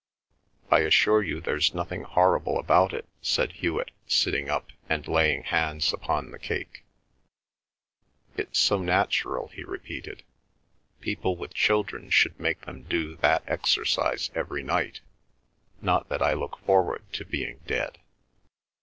"I assure you there's nothing horrible about it," said Hewet, sitting up and laying hands upon the cake. "It's so natural," he repeated. "People with children should make them do that exercise every night. ... Not that I look forward to being dead."